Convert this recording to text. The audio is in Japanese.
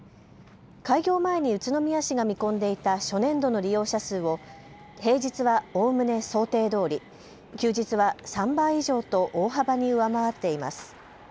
開業前に宇都宮市が見込んでいた初年度の利用者数を平日はおおむね想定どおり、休日は３倍以上と大幅に上回っています。